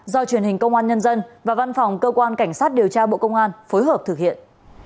do truyền hình công an nhân dân và văn phòng cơ quan cảnh sát điều tra bộ công an phối hợp thực hiện